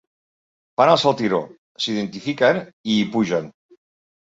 Fan el saltiró, s'identifiquen i hi pugen.